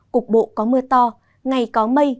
cục bộ có mưa to ngày có mây